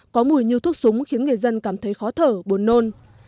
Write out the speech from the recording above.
có mùi như thuốc súng khiến người dân cảm thấy khó thở buồn nôn